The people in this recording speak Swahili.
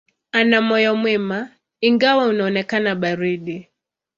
Ana moyo mwema, ingawa unaonekana baridi.